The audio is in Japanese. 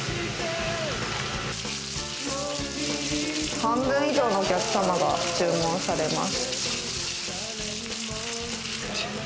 半分以上のお客様が注文されます。